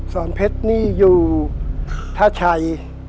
สอนเพชรนี่อยู่ท่าชัย